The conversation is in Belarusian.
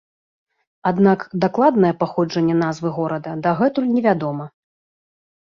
Аднак, дакладнае паходжанне назвы горада дагэтуль невядома.